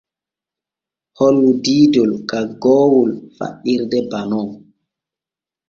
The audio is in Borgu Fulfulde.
Hollu diidol kaggoowol faɗɗirde banon.